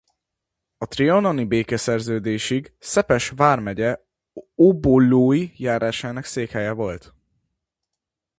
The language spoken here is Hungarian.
A trianoni békeszerződésig Szepes vármegye Ólublói járásának székhelye volt.